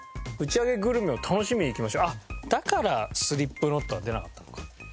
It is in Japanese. あっだからスリップノットは出なかったのか。